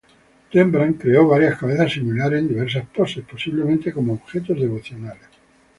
Rembrandt creó varias cabezas similares en diversas poses, posiblemente como objetos devocionales.